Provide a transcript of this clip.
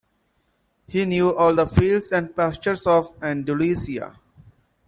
He knew all the fields and pastures of Andalusia.